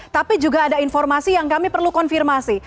tapi juga ada informasi yang kami perlu konfirmasi